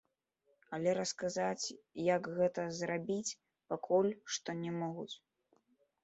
Але расказаць, як гэта зрабіць, пакуль што не могуць.